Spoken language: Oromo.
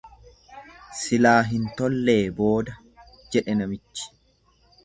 """Silaa hin tollee booda"" jedhe namichi."